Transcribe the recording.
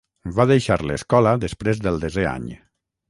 Va deixar l'escola després del desè any.